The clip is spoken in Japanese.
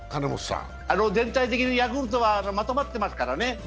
全体的にヤクルトはまとまってますからね。